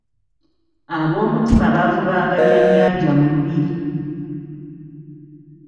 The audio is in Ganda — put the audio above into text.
Ab’omutima baavubanga bya nnyanja mu lubiri.